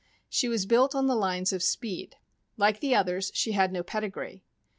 She was built on the lines of speed. Like the others, she had no pedigree.